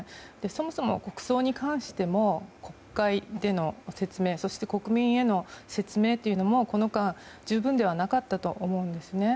そもそも国葬に関しても国会での説明そして国民への説明というのもこの間、十分ではなかったと思うんですね。